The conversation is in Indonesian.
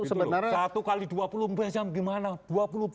sebenarnya satu kali dua puluh empat jam gimana